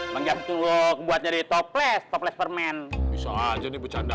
mengganti lo buat jadi toples toples permen bisa aja nih bercanda